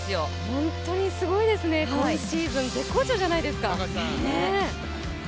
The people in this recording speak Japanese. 本当にすごいですね今シーズン絶好調じゃないですか。